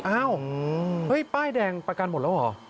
อ้าวเฮ้ยป้ายแดงประกันหมดแล้วเหรอ